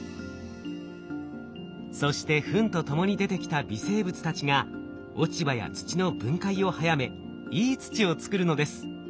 そしてフンとともに出てきた微生物たちが落ち葉や土の分解を早めいい土を作るのです。